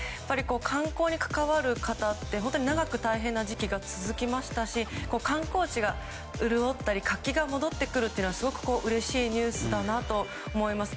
観光に関わる方って長く大変な時期が続きましたし観光地が潤ったり活気が戻ってくるのはすごくうれしいニュースだなと思います。